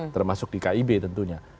termasuk di kib tentunya